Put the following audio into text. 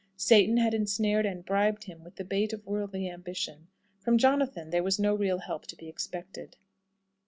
Satan had ensnared and bribed him with the bait of worldly ambition. From Jonathan there was no real help to be expected.